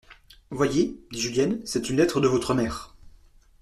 Voyez, dit Julienne, c'est une lettre de votre mère.